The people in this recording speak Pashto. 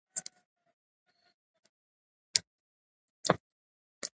لفروی مالي توان نه درلود او له جین جلا شو.